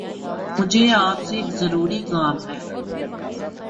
مجھے آپ سے ایک ضروری کام ہے